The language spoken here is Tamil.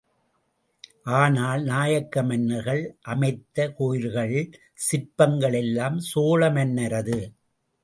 ஆனால், நாயக்க மன்னர்கள் அமைத்த கோயில்கள் சிற்பங்கள் எல்லாம் சோழ மன்னரது.